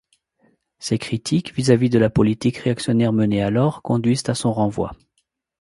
Ses critiques vis-à-vis de la politique réactionnaire menée alors conduisent à son renvoi.